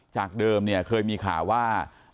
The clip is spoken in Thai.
จากเดิมเคยมีข่าวว่า